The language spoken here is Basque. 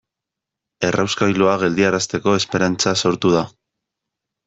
Errauskailua geldiarazteko esperantza sortu da.